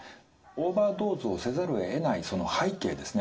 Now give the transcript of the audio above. オーバードーズをせざるをえないその背景ですね